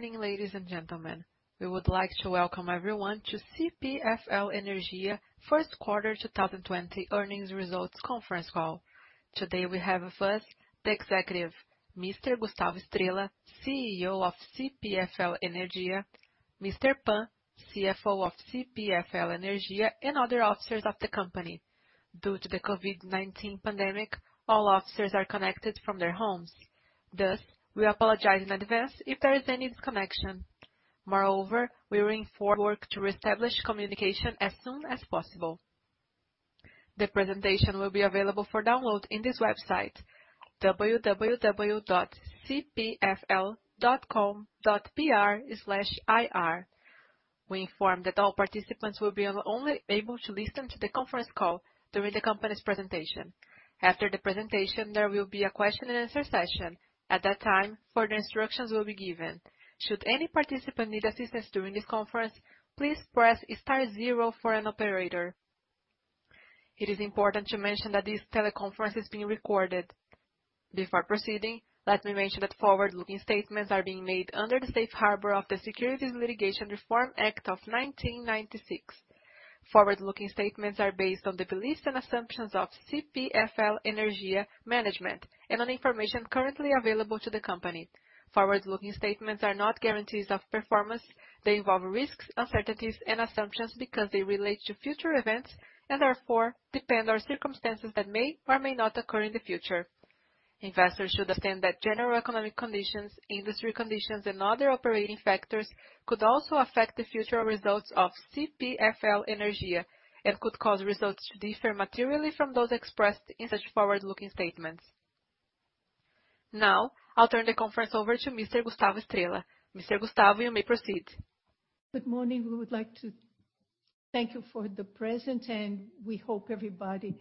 Good morning, ladies and gentlemen. We would like to welcome everyone to CPFL Energia first quarter 2020 earnings results conference call. Today we have with us the executive, Mr. Gustavo Estrella, CEO of CPFL Energia, Mr. Pan, CFO of CPFL Energia, and other officers of the company. Due to the COVID-19 pandemic, all officers are connected from their homes. Thus, we apologize in advance if there is any disconnection. Moreover, we will reinforce work to reestablish communication as soon as possible. The presentation will be available for download in this website, www.cpfl.com.br/ir. We inform that all participants will be only able to listen to the conference call during the company's presentation. After the presentation, there will be a question and answer session. At that time, further instructions will be given. Should any participant need assistance during this conference, please press star zero for an operator. It is important to mention that this teleconference is being recorded. Before proceeding, let me mention that forward-looking statements are being made under the safe harbor of the Securities Litigation Reform Act of 1996. Forward-looking statements are based on the beliefs and assumptions of CPFL Energia management, and on information currently available to the company. Forward-looking statements are not guarantees of performance. They involve risks, uncertainties, and assumptions because they relate to future events, and therefore depend on circumstances that may or may not occur in the future. Investors should understand that general economic conditions, industry conditions, and other operating factors could also affect the future results of CPFL Energia and could cause results to differ materially from those expressed in such forward-looking statements. Now, I'll turn the conference over to Mr. Gustavo Estrella. Mr. Gustavo, you may proceed. Good morning. We would like to thank you for the presence, and we hope everybody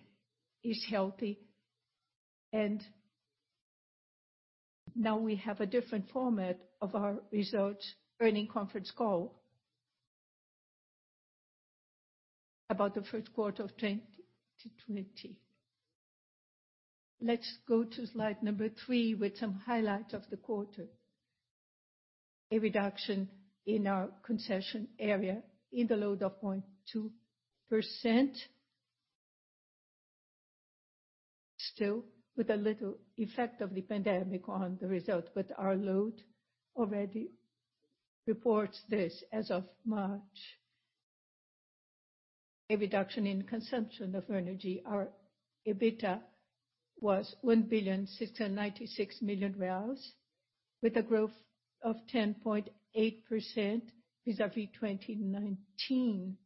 is healthy. Now we have a different format of our results earnings conference call about the first quarter of 2020. Let's go to slide number three with some highlights of the quarter. A reduction in our concession area in the load of 0.2%. Still with a little effect of the pandemic on the result, but our load already reports this as of March. A reduction in consumption of energy. Our EBITDA was 1,696 million reais, with a growth of 10.8% vis-à-vis 2019.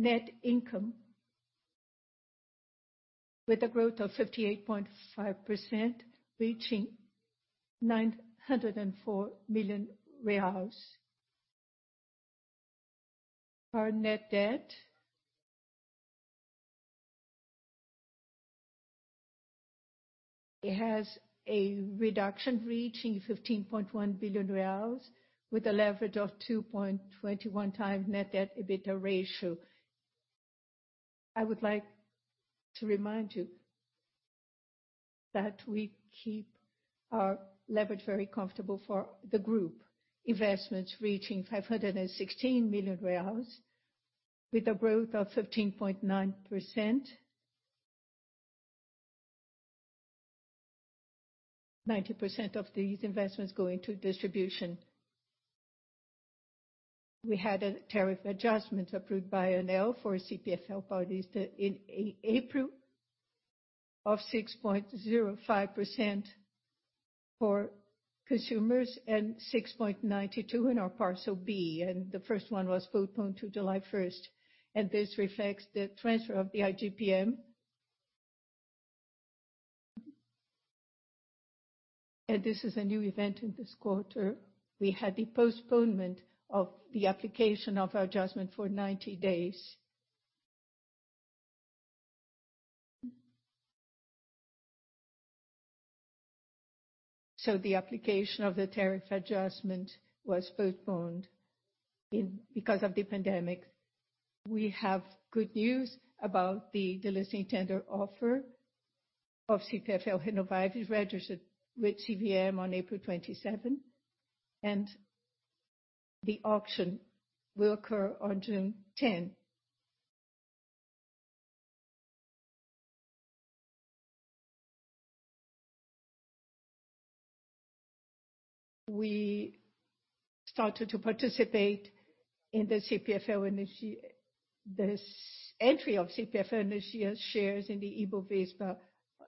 Net income with a growth of 58.5%, reaching BRL 904 million. Our net debt has a reduction reaching 15.1 billion reais with a leverage of 2.21 times net debt EBITDA ratio. I would like to remind you that we keep our leverage very comfortable for the group. Investments reaching 516 million reais with a growth of 15.9%. 90% of these investments going to distribution. We had a tariff adjustment approved by ANEEL for CPFL Paulista in April of 6.05% for consumers and 6.92% in our Parcel B. The first one was postponed to July 1st. This reflects the transfer of the IGP-M. This is a new event in this quarter. We had the postponement of the application of our adjustment for 90 days. The application of the tariff adjustment was postponed because of the pandemic. We have good news about the delisting tender offer of CPFL Renováveis registered with CVM on April 27, and the auction will occur on June 10. We started to participate in this entry of CPFL Energia shares in the Ibovespa,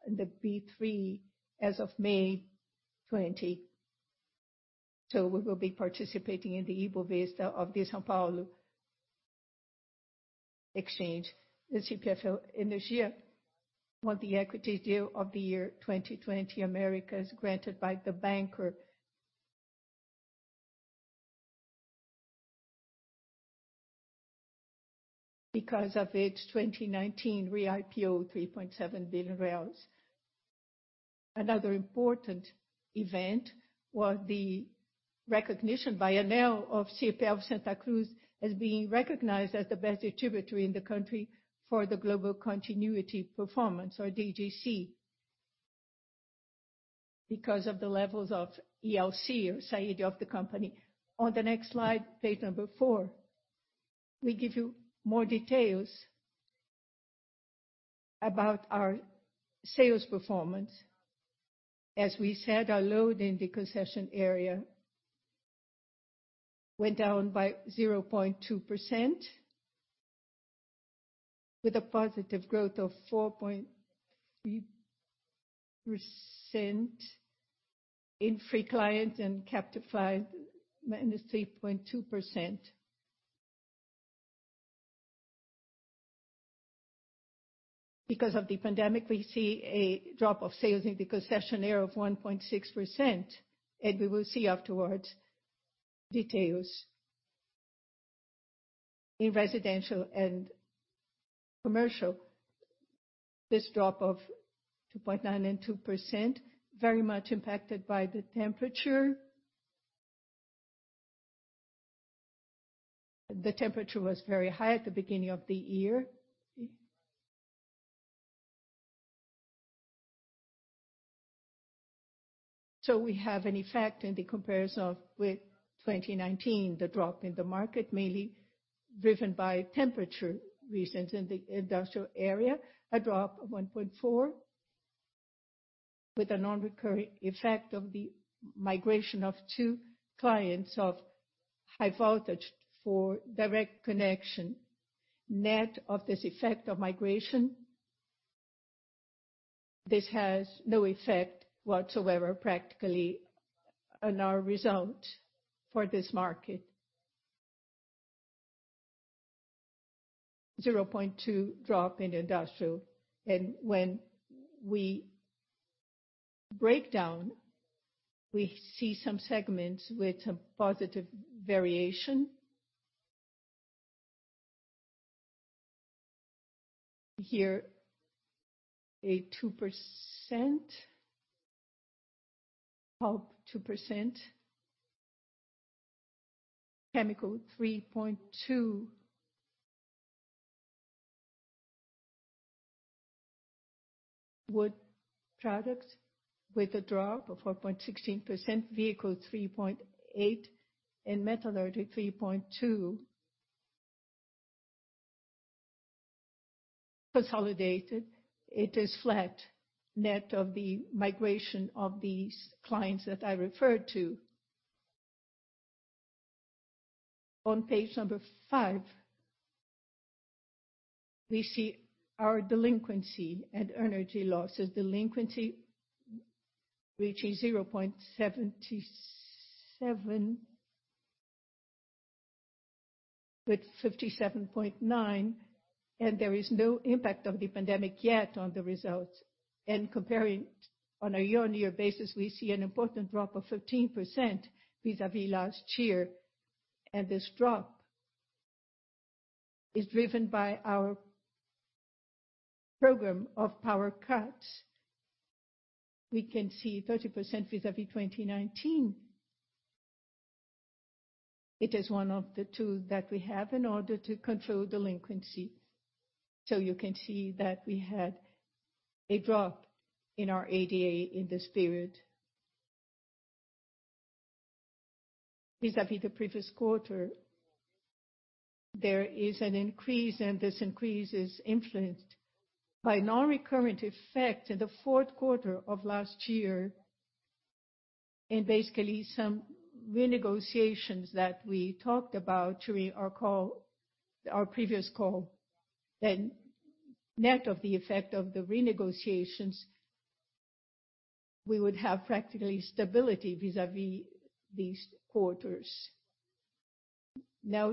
the B3 as of May 20. We will be participating in the Ibovespa of the São Paulo Exchange. The CPFL Energia won the Equity Deal of The Year 2020 Americas granted by The Banker because of its 2019 re-IPO 3.7 billion BRL. Another important event was the recognition by ANEEL of CPFL Santa Cruz as being recognized as the best distributor in the country for the Global Continuity Performance, or DGC. Because of the levels of DEC or SAIDI of the company. On the next slide, page number four, we give you more details about our sales performance. As we said, our load in the concession area went down by 0.2%, with a positive growth of 4.3% in free clients and captively -3.2%. Because of the pandemic, we see a drop of sales in the concession area of 1.6%. We will see afterwards details. In residential and commercial, this drop of 2.9% and 2%, very much impacted by the temperature. The temperature was very high at the beginning of the year. We have an effect in the comparison with 2019, the drop in the market, mainly driven by temperature reasons. In the industrial area, a drop of 1.4 with a non-recurring effect of the migration of two clients of high voltage for direct connection. Net of this effect of migration, this has no effect whatsoever, practically, on our result for this market. 0.2 drop in industrial. When we break down, we see some segments with a positive variation. Here, a 2%, pulp 2%, chemical 3.2. Wood products with a drop of 4.16%, vehicle 3.8, and metallurgic 3.2. Consolidated, it is flat net of the migration of these clients that I referred to. On page number five, we see our delinquency and energy losses. Delinquency reaching 0.77 with 57.9. There is no impact of the pandemic yet on the results. Comparing on a year-on-year basis, we see an important drop of 15% vis-à-vis last year. This drop is driven by our program of power cuts. We can see 30% vis-à-vis 2019. It is one of the tools that we have in order to control delinquency. You can see that we had a drop in our ADA in this period. Vis-à-vis the previous quarter, there is an increase. This increase is influenced by non-recurrent effects in the fourth quarter of last year, and basically some renegotiations that we talked about during our previous call. Net of the effect of the renegotiations, we would have practically stability vis-à-vis these quarters.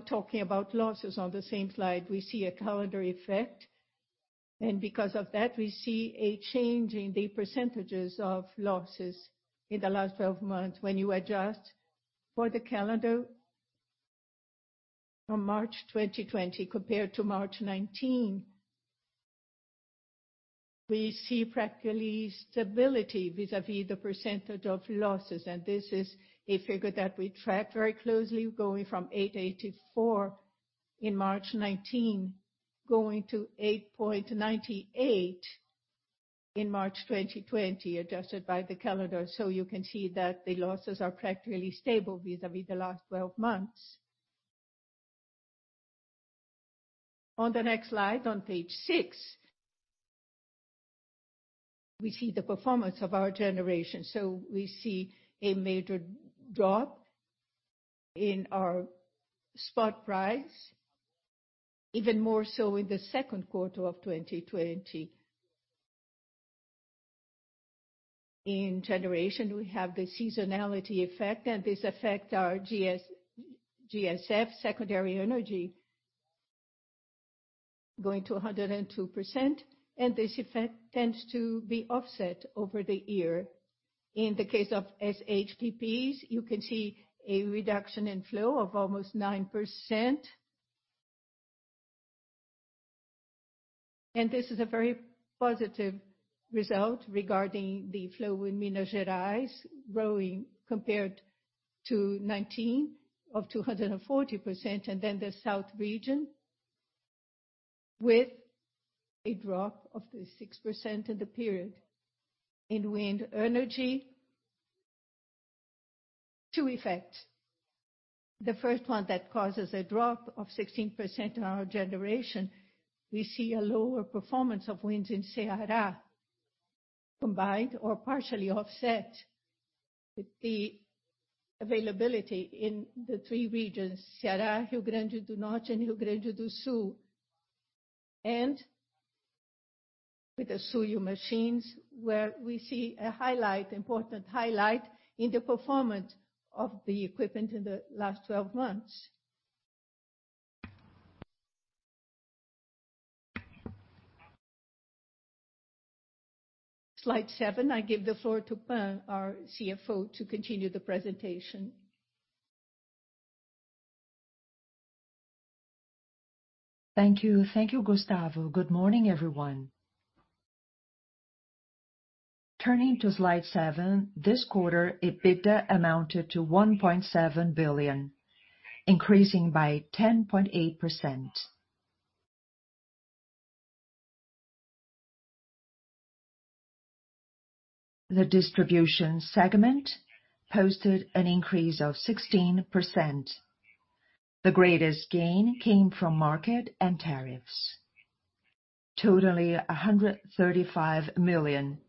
Talking about losses on the same slide, we see a calendar effect, and because of that, we see a change in the percentages of losses in the last 12 months when you adjust for the calendar from March 2020 compared to March 2019. We see practically stability vis-à-vis the percentage of losses. This is a figure that we track very closely, going from 884 in March 2019, going to 898 in March 2020, adjusted by the calendar. You can see that the losses are practically stable vis-à-vis the last 12 months. On the next slide, on page six, we see the performance of our generation. We see a major drop in our spot price, even more so in the second quarter of 2020. In generation, we have the seasonality effect, this affect our GSF, secondary energy, going to 102%, and this effect tends to be offset over the year. In the case of SHPPs, you can see a reduction in flow of almost nine percent. This is a very positive result regarding the flow in Minas Gerais growing compared to 2019 of 240%, then the South region, with a drop of six percent in the period. In wind energy, two effects. The first one that causes a drop of 16% in our generation, we see a lower performance of winds in Ceará, combined or partially offset with the availability in the three regions, Ceará, Rio Grande do Norte, and Rio Grande do Sul. With the Suzlon machines, where we see an important highlight in the performance of the equipment in the last 12 months. Slide seven, I give the floor to Pan, our CFO, to continue the presentation. Thank you, Gustavo. Good morning, everyone. Turning to slide seven, this quarter, EBITDA amounted to 1.7 billion, increasing by 10.8%. The distribution segment posted an increase of 16%. The greatest gain came from market and tariffs, totaling 135 million,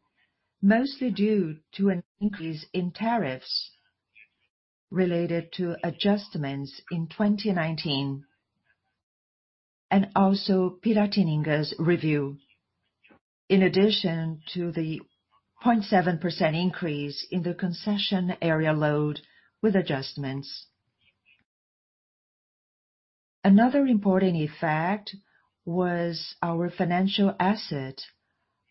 mostly due to an increase in tariffs related to adjustments in 2019, and also Piratininga's review, in addition to the 0.7% increase in the concession area load with adjustments. Another important effect was our financial asset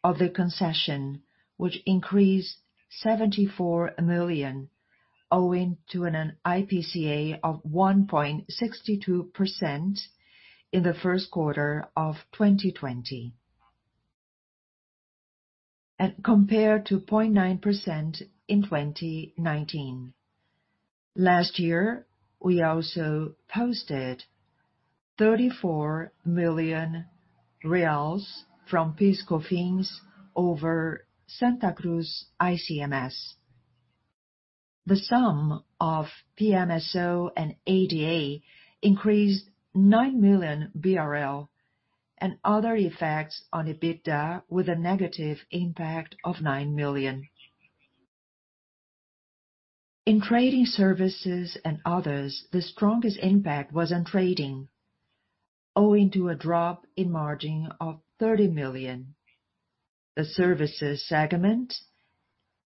of the concession, which increased 74 million, owing to an IPCA of 1.62% in the first quarter of 2020. Compared to 0.9% in 2019. Last year, we also posted 34 million reais from PIS/Cofins over Santa Cruz ICMS. The sum of PMSO and ADA increased 9 million BRL, and other effects on EBITDA with a negative impact of 9 million. In trading services and others, the strongest impact was on trading, owing to a drop in margin of 30 million. The services segment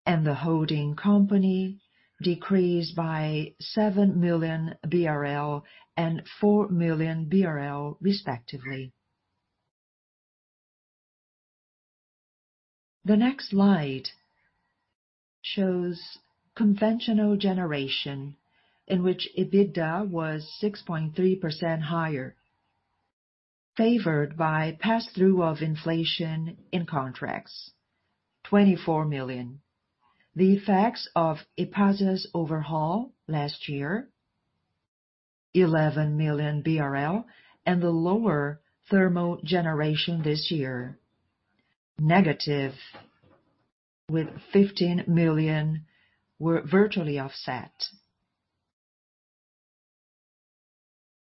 and the holding company decreased by 7 million BRL and 4 million BRL respectively. The next slide shows conventional generation, in which EBITDA was 6.3% higher, favored by pass-through of inflation in contracts, 24 million. The effects of Epasa's overhaul last year, 11 million BRL, and the lower thermal generation this year, negative with 15 million, were virtually offset.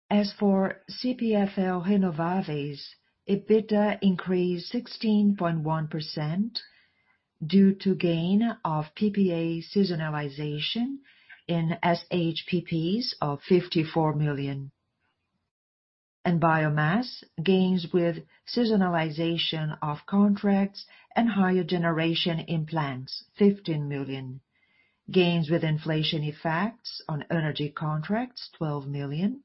As for CPFL Renováveis, EBITDA increased 16.1% due to gain of PPA seasonalization in SHPPs of 54 million. Biomass gains with seasonalization of contracts and higher generation in plants, 15 million. Gains with inflation effects on energy contracts, 12 million.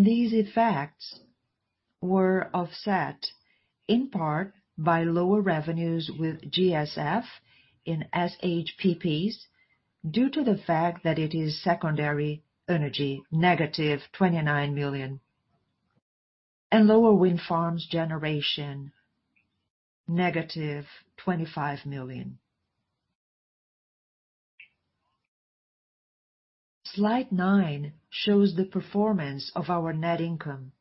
These effects were offset in part by lower revenues with GSF in SHPPs due to the fact that it is secondary energy, negative 29 million. Lower wind farms generation, negative BRL 25 million. Slide nine shows the performance of our net income,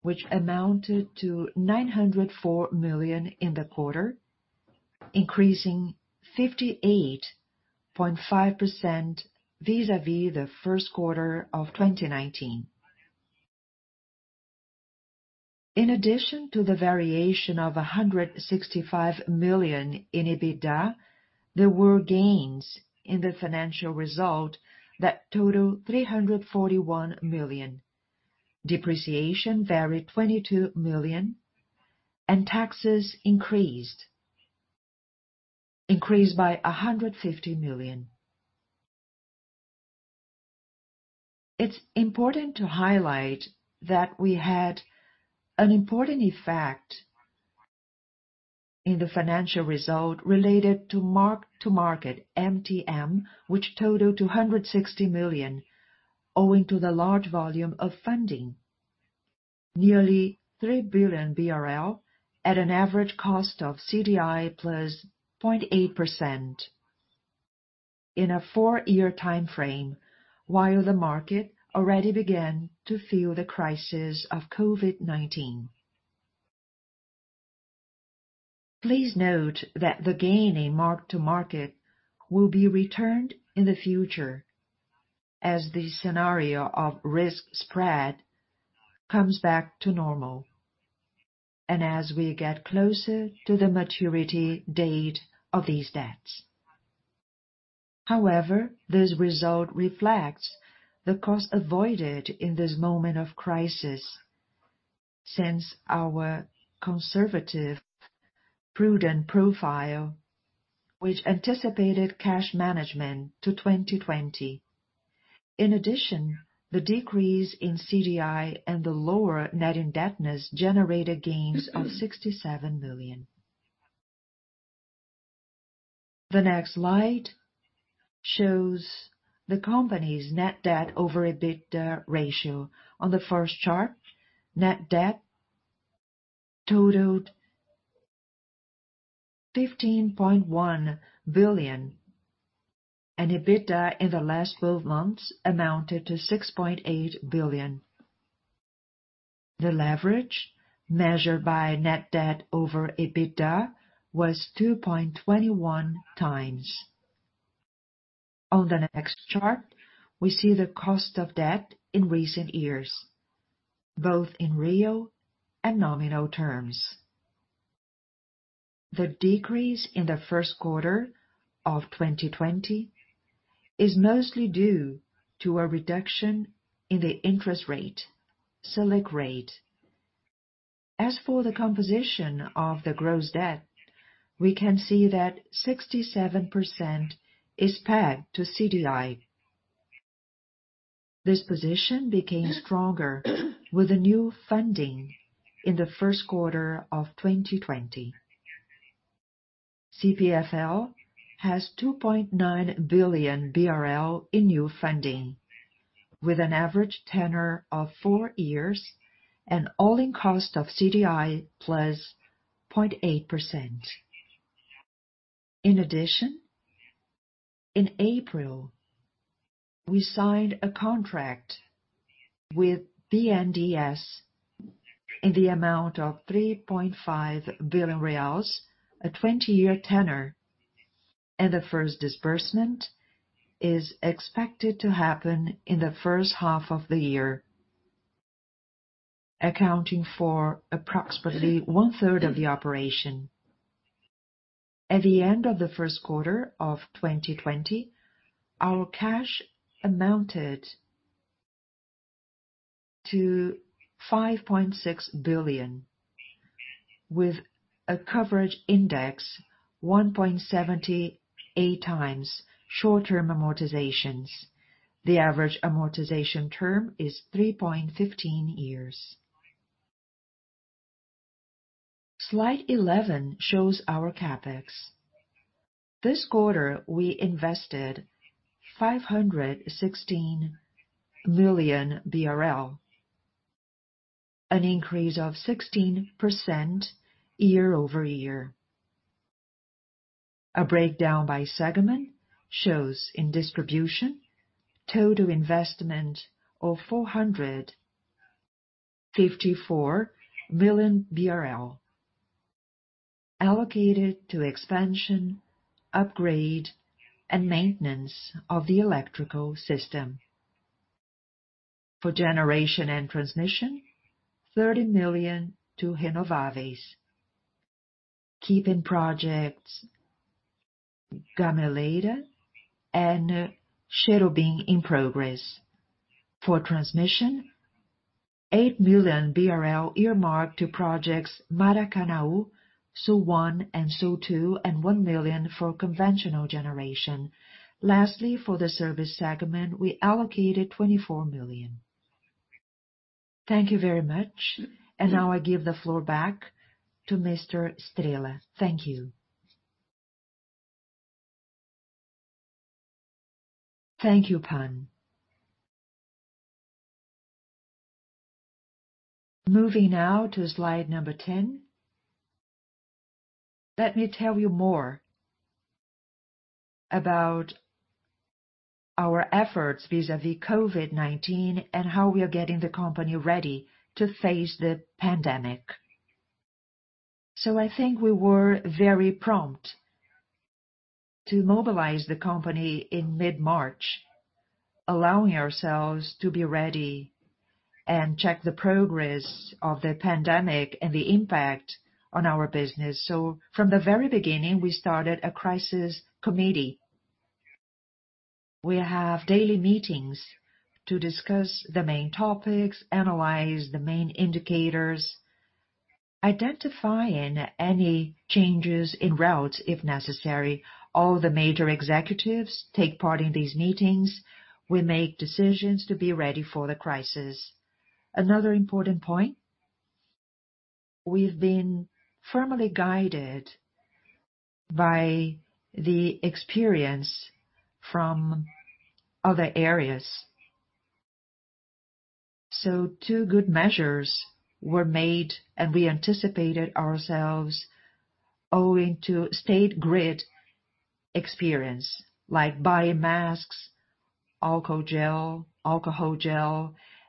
which amounted to 904 million in the quarter, increasing 58.5% vis-à-vis the first quarter of 2019. In addition to the variation of 165 million in EBITDA, there were gains in the financial result that total 341 million. Depreciation varied 22 million, and taxes increased by 150 million. It's important to highlight that we had an important effect in the financial result related to mark-to-market, MTM, which totaled to 160 million, owing to the large volume of funding, nearly 3 billion BRL at an average cost of CDI plus 0.8% in a four-year timeframe, while the market already began to feel the crisis of COVID-19. Please note that the gain in mark-to-market will be returned in the future as the scenario of risk spread comes back to normal, and as we get closer to the maturity date of these debts. However, this result reflects the cost avoided in this moment of crisis, since our conservative, prudent profile, which anticipated cash management to 2020. In addition, the decrease in CDI and the lower net indebtedness generated gains of 67 million. The next slide shows the company's net debt over EBITDA ratio. On the first chart, net debt totaled 15.1 billion and EBITDA in the last 12 months amounted to 6.8 billion. The leverage measured by net debt over EBITDA was 2.21 times. On the next chart, we see the cost of debt in recent years, both in real and nominal terms. The decrease in the first quarter of 2020 is mostly due to a reduction in the interest rate, Selic rate. As for the composition of the gross debt, we can see that 67% is pegged to CDI. This position became stronger with the new funding in the first quarter of 2020. CPFL has 2.9 billion BRL in new funding with an average tenor of four years and all-in cost of CDI plus 0.8%. In addition, in April, we signed a contract with BNDES in the amount of 3.5 billion reais, a 20-year tenor, and the first disbursement is expected to happen in the first half of the year, accounting for approximately one-third of the operation. At the end of the first quarter of 2020, our cash amounted to 5.6 billion, with a coverage index 1.78 times short-term amortizations. The average amortization term is 3.15 years. Slide 11 shows our CapEx. This quarter, we invested 516 million BRL, an increase of 16% year-over-year. A breakdown by segment shows in distribution, total investment of 454 million BRL allocated to expansion, upgrade, and maintenance of the electrical system. For generation and transmission, 30 million to Renováveis, keeping projects Gameleira and Serrote in progress. For transmission, 8 million BRL earmarked to projects Maracanaú, Sul I and Sul II, and 1 million for conventional generation. Lastly, for the service segment, we allocated 24 million. Thank you very much. Now I give the floor back to Mr. Estrella. Thank you. Thank you, Pan. Moving now to slide number 10. Let me tell you more about our efforts vis-à-vis COVID-19 and how we are getting the company ready to face the pandemic. I think we were very prompt to mobilize the company in mid-March, allowing ourselves to be ready and check the progress of the pandemic and the impact on our business. From the very beginning, we started a crisis committee. We have daily meetings to discuss the main topics, analyze the main indicators, identifying any changes in routes if necessary. All the major executives take part in these meetings. We make decisions to be ready for the crisis. Another important point, we've been firmly guided by the experience from other areas. Two good measures were made, and we anticipated ourselves owing to State Grid experience, like buying masks, alcohol gel,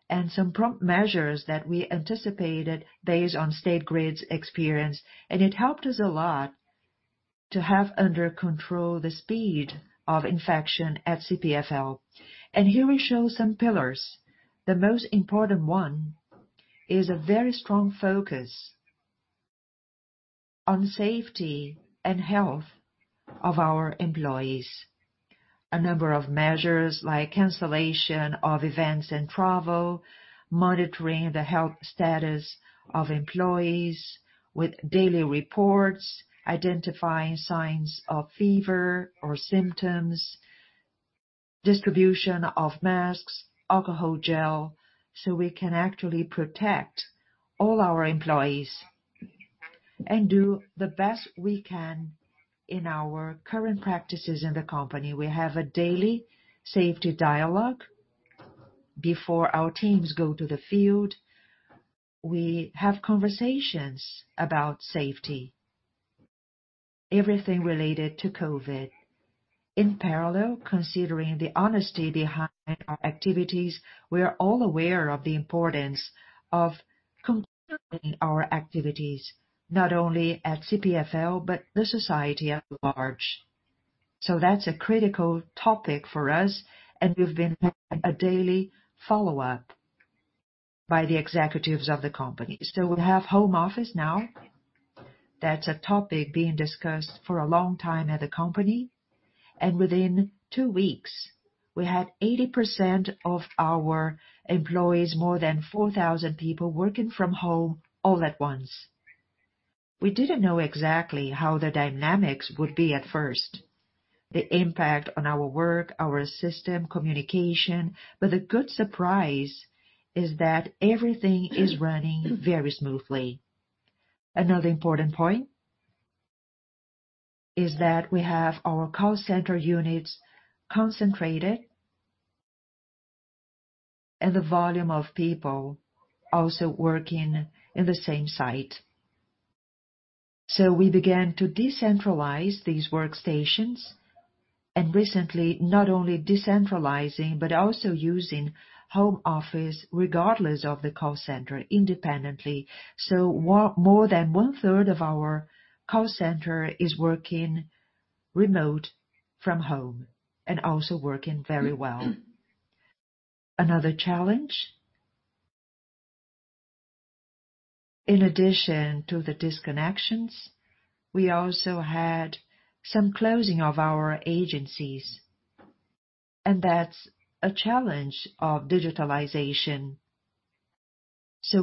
and some prompt measures that we anticipated based on State Grid's experience. It helped us a lot to have under control the speed of infection at CPFL. Here we show some pillars. The most important one is a very strong focus on safety and health of our employees. A number of measures like cancellation of events and travel, monitoring the health status of employees with daily reports, identifying signs of fever or symptoms, distribution of masks, alcohol gel, so we can actually protect all our employees and do the best we can in our current practices in the company. We have a daily safety dialogue before our teams go to the field. We have conversations about safety, everything related to COVID. In parallel, considering the honesty behind our activities, we are all aware of the importance of continuing our activities, not only at CPFL, but the society at large. That's a critical topic for us, and we've been having a daily follow-up by the executives of the company. We have home office now. That's a topic being discussed for a long time at the company. Within 2 weeks, we had 80% of our employees, more than 4,000 people, working from home all at once. We didn't know exactly how the dynamics would be at first, the impact on our work, our system, communication. The good surprise is that everything is running very smoothly. Another important point is that we have our call center units concentrated, and the volume of people also working in the same site. We began to decentralize these workstations, and recently, not only decentralizing but also using home office regardless of the call center independently. More than one-third of our call center is working remote from home and also working very well. Another challenge, in addition to the disconnections, we also had some closing of our agencies. That's a challenge of digitalization.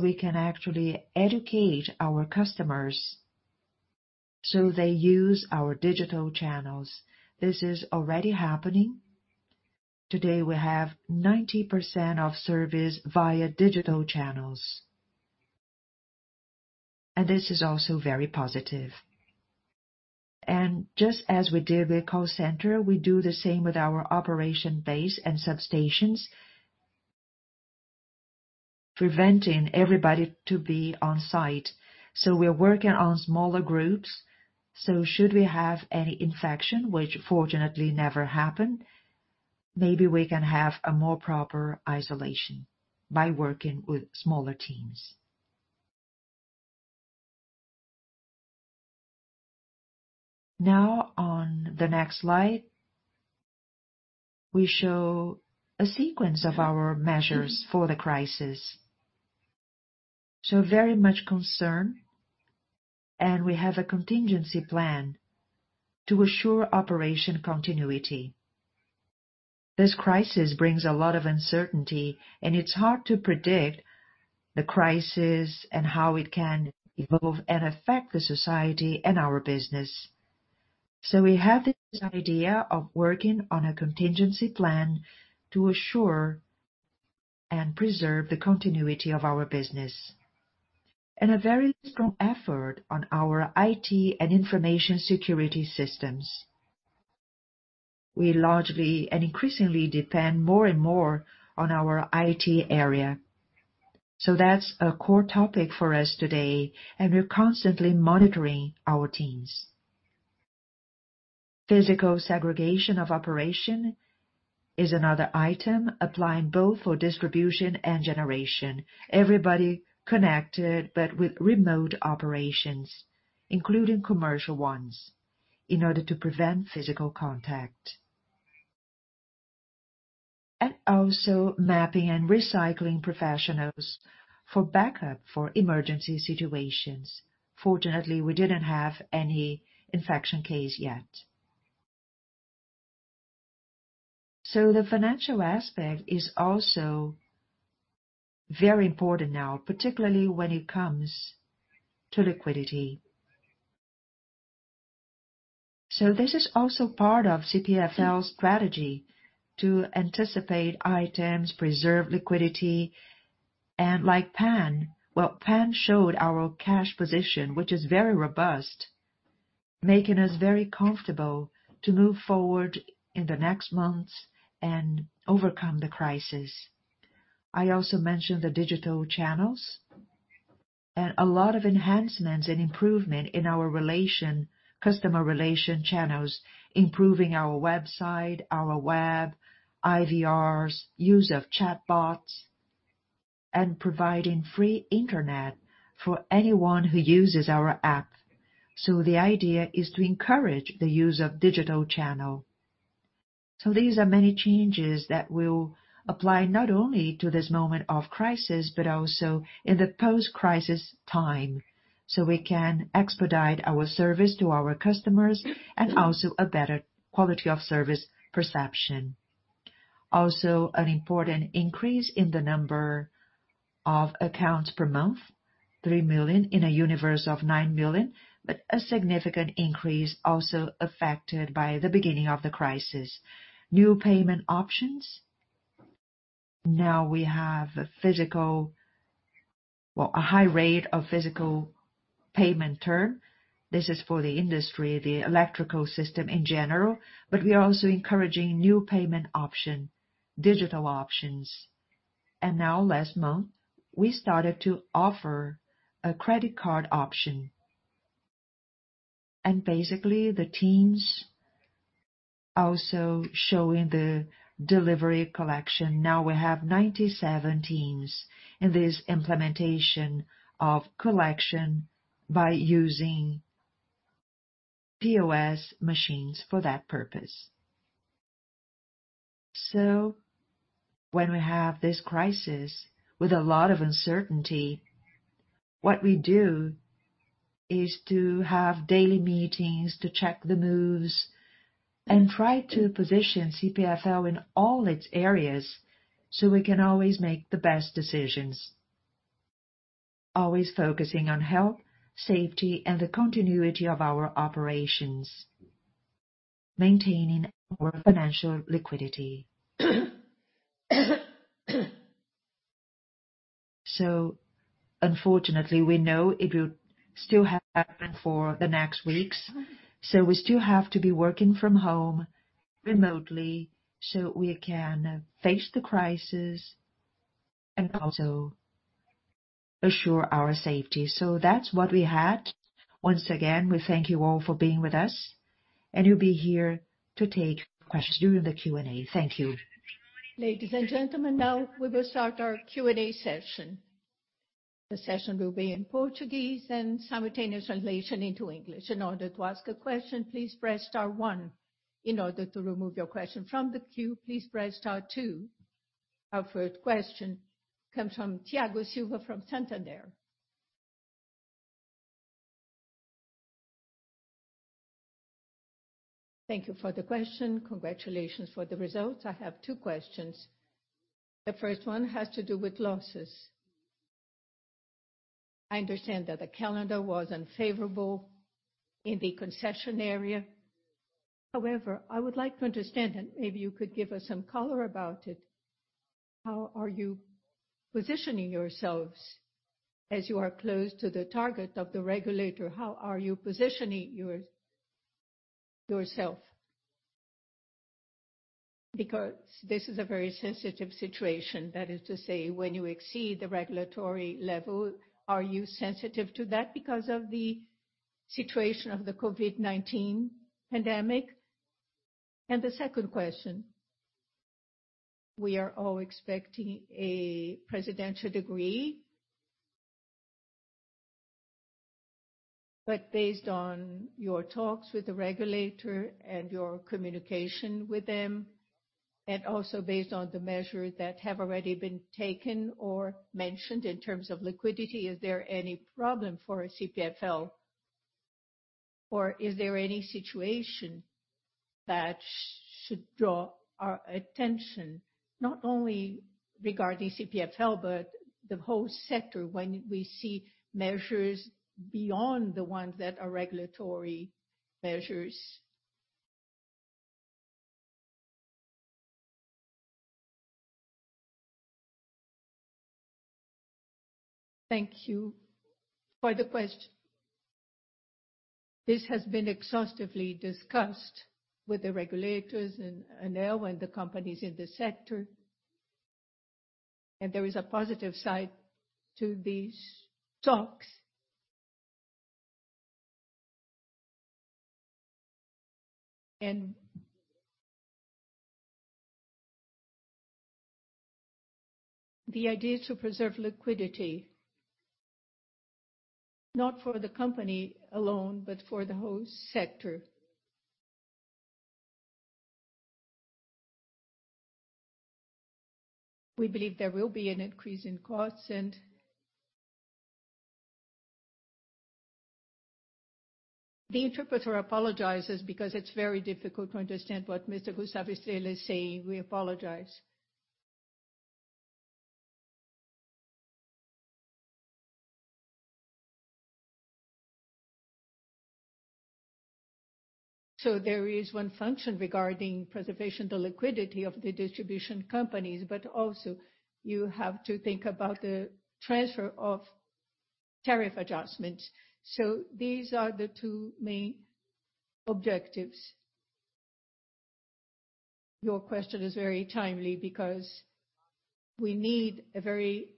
We can actually educate our customers so they use our digital channels. This is already happening. Today, we have 90% of service via digital channels. This is also very positive. Just as we did with call center, we do the same with our operation base and substations, preventing everybody to be on-site. We're working on smaller groups, so should we have any infection, which fortunately never happened, maybe we can have a more proper isolation by working with smaller teams. Now on the next slide, we show a sequence of our measures for the crisis. Very much concern, and we have a contingency plan to assure operation continuity. This crisis brings a lot of uncertainty, and it's hard to predict the crisis and how it can evolve and affect the society and our business. We have this idea of working on a contingency plan to assure and preserve the continuity of our business. A very strong effort on our IT and information security systems. We largely and increasingly depend more and more on our IT area. That's a core topic for us today, and we're constantly monitoring our teams. Physical segregation of operation is another item applying both for distribution and generation. Everybody connected, but with remote operations, including commercial ones, in order to prevent physical contact. Also mapping and recycling professionals for backup for emergency situations. Fortunately, we didn't have any infection case yet. The financial aspect is also very important now, particularly when it comes to liquidity. This is also part of CPFL's strategy to anticipate items, preserve liquidity, and like Pan. Well, Pan showed our cash position, which is very robust, making us very comfortable to move forward in the next months and overcome the crisis. I also mentioned the digital channels and a lot of enhancements and improvement in our customer relation channels, improving our website, our web, IVRs, use of chatbots, and providing free internet for anyone who uses our app. The idea is to encourage the use of digital channel. These are many changes that will apply not only to this moment of crisis, but also in the post-crisis time, so we can expedite our service to our customers and also a better quality of service perception. Also, an important increase in the number of accounts per month, 3 million in a universe of 9 million, but a significant increase also affected by the beginning of the crisis. New payment options. Now we have a high rate of physical payment term. This is for the industry, the electrical system in general, but we are also encouraging new payment option, digital options. Now last month, we started to offer a credit card option. Basically the teams also showing the delivery collection. Now we have 97 teams in this implementation of collection by using POS machines for that purpose. When we have this crisis with a lot of uncertainty, what we do is to have daily meetings to check the moves and try to position CPFL in all its areas, so we can always make the best decisions. Always focusing on health, safety, and the continuity of our operations, maintaining our financial liquidity. Unfortunately, we know it will still happen for the next weeks, so we still have to be working from home remotely so we can face the crisis and also assure our safety. That's what we had. Once again, we thank you all for being with us, and we'll be here to take questions during the Q&A. Thank you. Ladies and gentlemen, we will start our Q&A session. The session will be in Portuguese and simultaneous translation into English. In order to ask a question, please press star one. In order to remove your question from the queue, please press star two. Our first question comes from Thiago Silva from Santander. Thank you for the question. Congratulations for the results. I have two questions. The first one has to do with losses. I understand that the calendar was unfavorable in the concession area. I would like to understand, and maybe you could give us some color about it. How are you positioning yourselves as you are close to the target of the regulator? How are you positioning yourself? This is a very sensitive situation. That is to say, when you exceed the regulatory level, are you sensitive to that because of the situation of the COVID-19 pandemic? The second question, we are all expecting a presidential degree, but based on your talks with the regulator and your communication with them, and also based on the measures that have already been taken or mentioned in terms of liquidity, is there any problem for CPFL, or is there any situation that should draw our attention, not only regarding CPFL, but the whole sector when we see measures beyond the ones that are regulatory measures? Thank you for the question. This has been exhaustively discussed with the regulators and now with the companies in the sector. There is a positive side to these talks. The idea is to preserve liquidity, not for the company alone, but for the whole sector. We believe there will be an increase in costs. The interpreter apologizes because it's very difficult to understand what Mr. Gustavo Estrella is saying. We apologize. There is one function regarding preservation, the liquidity of the distribution companies, but also you have to think about the transfer of tariff adjustments. These are the two main objectives. Your question is very timely because we need a very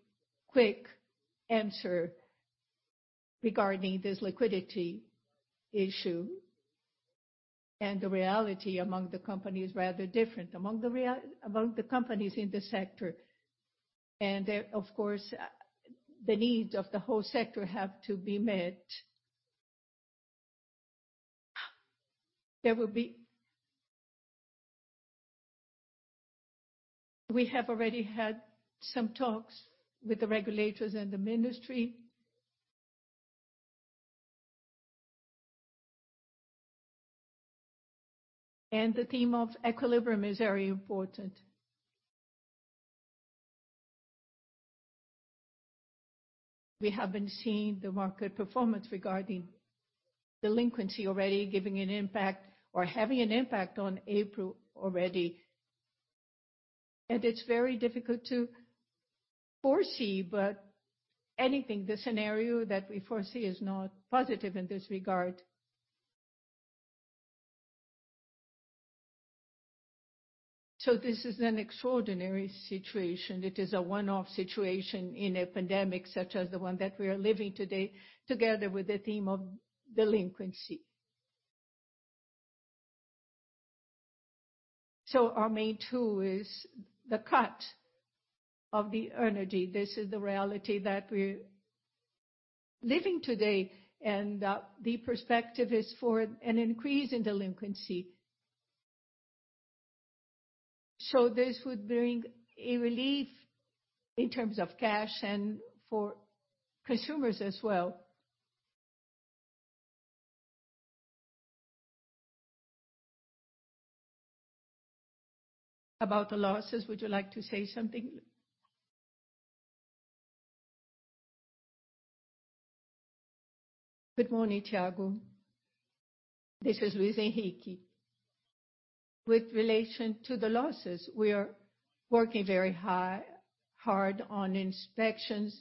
quick answer regarding this liquidity issue, and the reality among the companies is rather different, among the companies in the sector. Of course, the needs of the whole sector have to be met. We have already had some talks with the regulators and the ministry. The theme of equilibrium is very important. We have been seeing the market performance regarding delinquency already giving an impact or having an impact on April already. It's very difficult to foresee, but anything, the scenario that we foresee is not positive in this regard. This is an extraordinary situation. It is a one-off situation in a pandemic, such as the one that we are living today, together with the theme of delinquency. Our main tool is the cut of the energy. This is the reality that we're living today, and the perspective is for an increase in delinquency. This would bring a relief in terms of cash and for consumers as well. About the losses, would you like to say something? Good morning, Thiago. This is Luís Henrique. With relation to the losses, we are working very hard on inspections.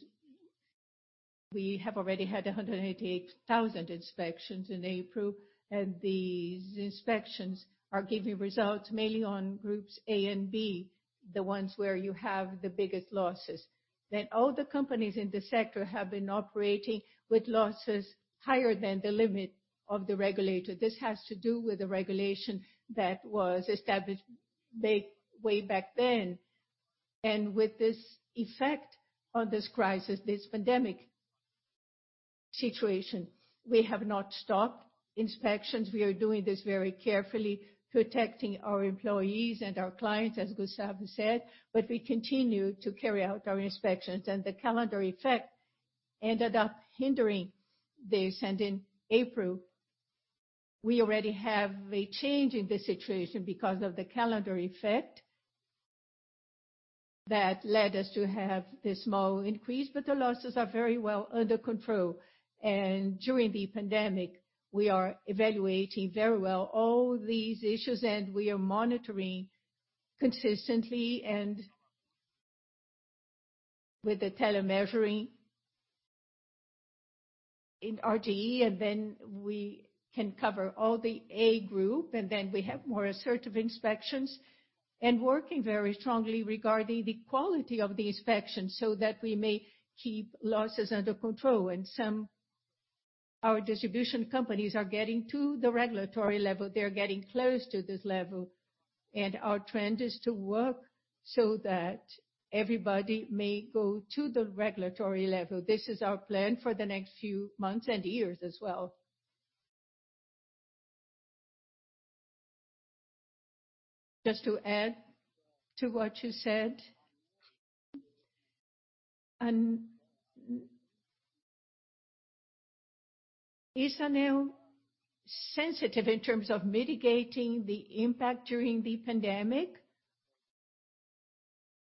We have already had 188,000 inspections in April, and these inspections are giving results mainly on groups A and B, the ones where you have the biggest losses. All the companies in the sector have been operating with losses higher than the limit of the regulator. This has to do with the regulation that was established way back then. With this effect on this crisis, this pandemic situation, we have not stopped inspections. We are doing this very carefully, protecting our employees and our clients, as Gustavo said, but we continue to carry out our inspections. The calendar effect ended up hindering this. In April, we already have a change in the situation because of the calendar effect that led us to have this small increase. The losses are very well under control. During the pandemic, we are evaluating very well all these issues, and we are monitoring consistently and with the telemeasuring in RGE. Then we can cover all the A group, and then we have more assertive inspections. Working very strongly regarding the quality of the inspections so that we may keep losses under control. Some, our distribution companies are getting to the regulatory level. They're getting close to this level, and our trend is to work so that everybody may go to the regulatory level. This is our plan for the next few months and years as well. Just to add to what you said. Is ANEEL sensitive in terms of mitigating the impact during the pandemic,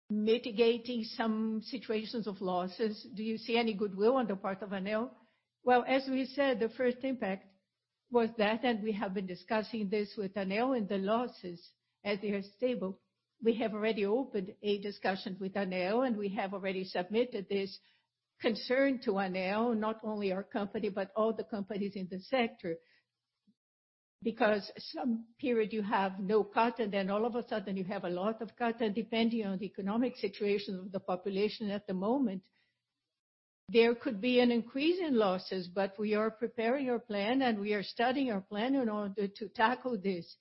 mitigating some situations of losses? Do you see any goodwill on the part of ANEEL? As we said, the first impact was that, and we have been discussing this with ANEEL and the losses as they are stable. We have already opened a discussion with ANEEL, and we have already submitted this concern to ANEEL, not only our company, but all the companies in the sector. Some period you have no cut and then all of a sudden you have a lot of cut, and depending on the economic situation of the population at the moment, there could be an increase in losses. We are preparing our plan, and we are studying our plan in order to tackle this.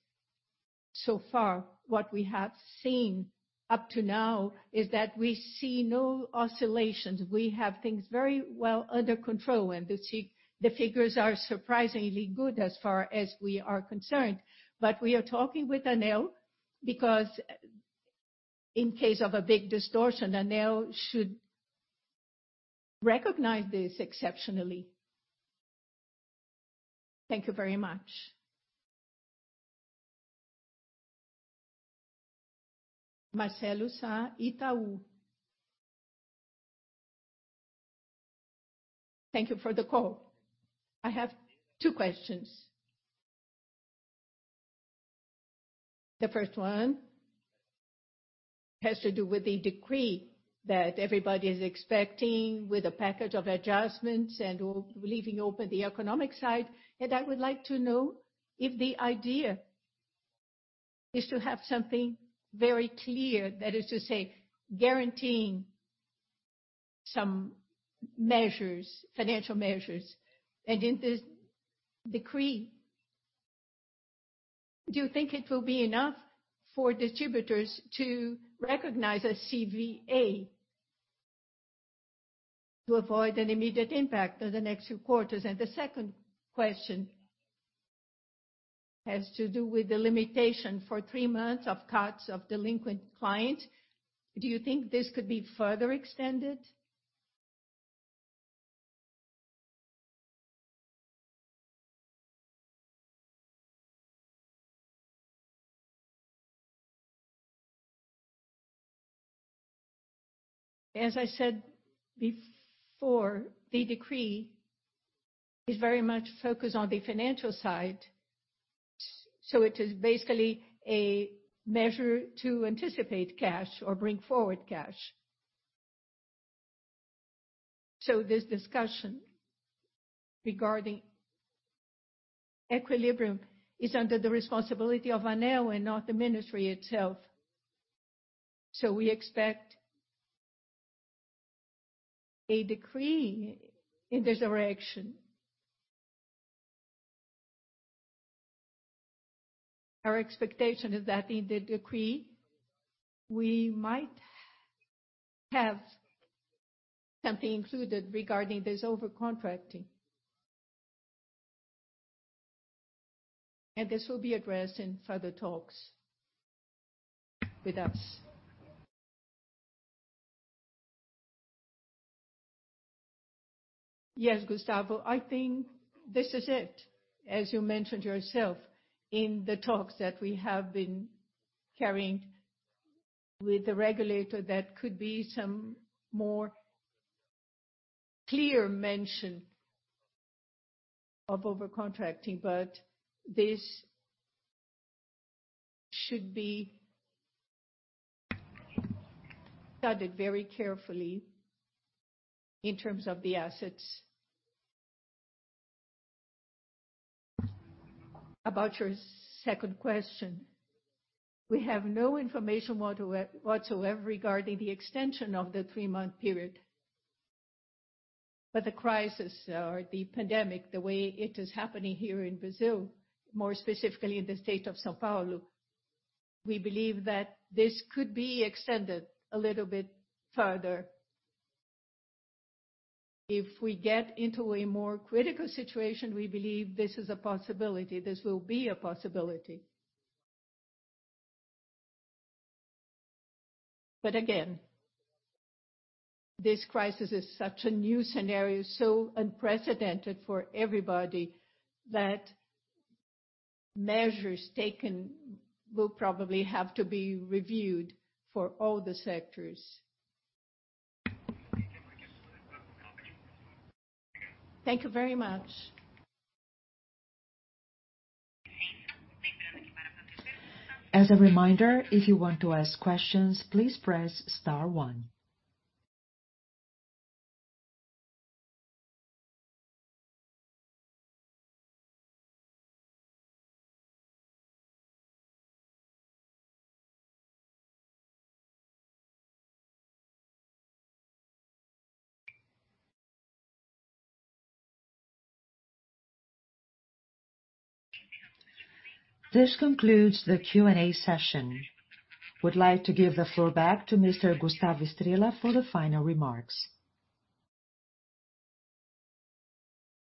So far, what we have seen up to now is that we see no oscillations. We have things very well under control, and the figures are surprisingly good as far as we are concerned. We are talking with ANEEL because in case of a big distortion, ANEEL should recognize this exceptionally. Thank you very much. Marcelo Sá, Itaú. Thank you for the call. I have two questions. The first one has to do with the decree that everybody is expecting with a package of adjustments and leaving open the economic side. I would like to know if the idea is to have something very clear, that is to say, guaranteeing some financial measures. In this decree, do you think it will be enough for distributors to recognize a CVA to avoid an immediate impact on the next few quarters? The second question has to do with the limitation for three months of cuts of delinquent clients. Do you think this could be further extended? As I said before, the decree is very much focused on the financial side, it is basically a measure to anticipate cash or bring forward cash. This discussion regarding equilibrium is under the responsibility of ANEEL and not the ministry itself. We expect a decree in this direction. Our expectation is that in the decree, we might have something included regarding this over-contracting. This will be addressed in further talks with us. Yes, Gustavo, I think this is it. As you mentioned yourself, in the talks that we have been carrying with the regulator, that could be some more clear mention of over-contracting. This should be studied very carefully in terms of the assets. About your second question, we have no information whatsoever regarding the extension of the three-month period. The crisis or the pandemic, the way it is happening here in Brazil, more specifically in the state of São Paulo, we believe that this could be extended a little bit further. If we get into a more critical situation, we believe this will be a possibility. Again, this crisis is such a new scenario, so unprecedented for everybody, that measures taken will probably have to be reviewed for all the sectors. Thank you very much. As a reminder, if you want to ask questions, please press star one. This concludes the Q&A session. I would like to give the floor back to Mr. Gustavo Estrella for the final remarks.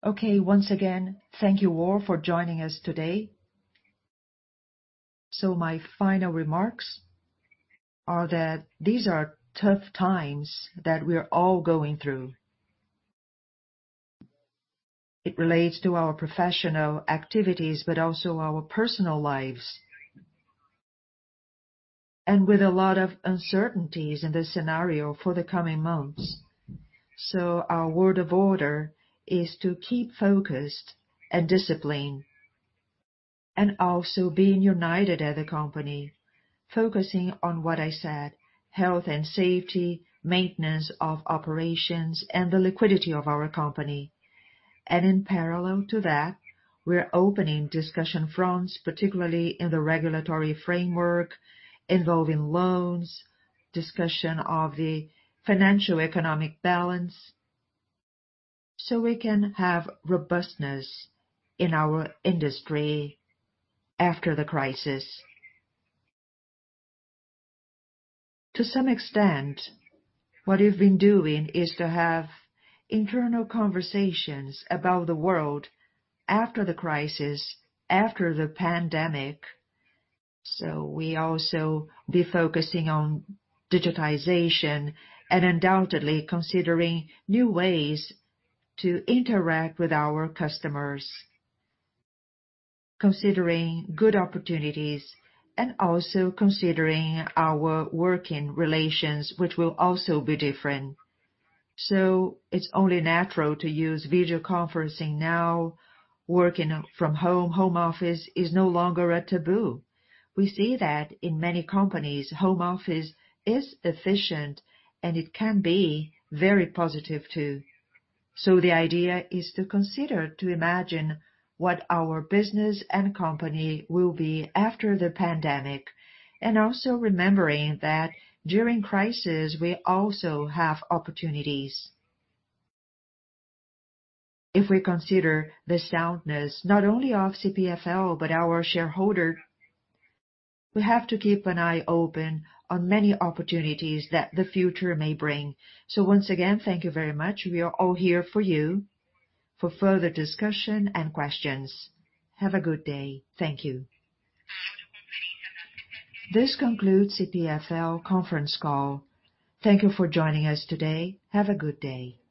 Okay. Once again, thank you all for joining us today. My final remarks are that these are tough times that we're all going through. It relates to our professional activities, but also our personal lives. With a lot of uncertainties in this scenario for the coming months. Our word of order is to keep focused and discipline, and also being united as a company, focusing on what I said, health and safety, maintenance of operations, and the liquidity of our company. In parallel to that, we're opening discussion fronts, particularly in the regulatory framework involving loans, discussion of the financial economic balance, so we can have robustness in our industry after the crisis. To some extent, what we've been doing is to have internal conversations about the world after the crisis, after the pandemic. We also will be focusing on digitization and undoubtedly considering new ways to interact with our customers. Considering good opportunities and also considering our working relations, which will also be different. It's only natural to use video conferencing now. Working from home office is no longer a taboo. We see that in many companies, home office is efficient, and it can be very positive, too. The idea is to consider to imagine what our business and company will be after the pandemic, and also remembering that during crisis, we also have opportunities. If we consider the soundness, not only of CPFL, but our shareholder, we have to keep an eye open on many opportunities that the future may bring. Once again, thank you very much. We are all here for you for further discussion and questions. Have a good day. Thank you. This concludes CPFL conference call. Thank you for joining us today. Have a good day.